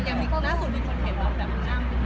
น่าสุดมีคนเห็นเราแบบนั้น